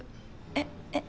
えっえっ